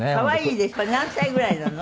これ何歳ぐらいなの？